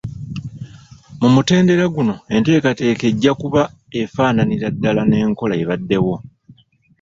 Mu mutendera guno enteekateeka ejja kuba efaananira ddala n’enkola ebaddewo.